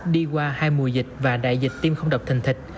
đi qua hai mùa dịch và đại dịch tiêm không độc thành thịt